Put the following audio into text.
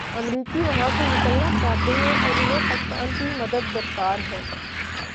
امریکی وہاں سے نکلنا چاہتے ہیں اور انہیں پاکستان کی مدد درکار ہے۔